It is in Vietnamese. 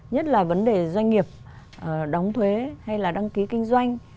nhất là vấn đề doanh nghiệp đóng thuế hay là đăng ký kinh doanh